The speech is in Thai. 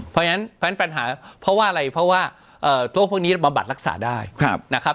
เพราะฉะนั้นแผนปัญหาเพราะว่าอะไรเพราะว่าเอ่อโรคพวกนี้มันบัดรักษาได้ครับ